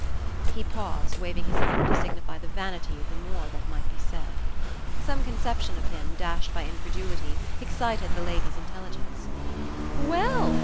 He paused, waving his hand to signify the vanity of the more that might be said. Some conception of him, dashed by incredulity, excited the lady's intelligence. "Well!"